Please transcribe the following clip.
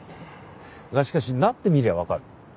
がしかしなってみりゃわかる。